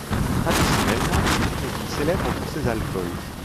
Traditionnellement, c'est une ville célèbre pour ses alcools.